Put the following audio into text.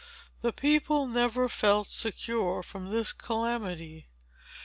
The people never felt secure from this calamity.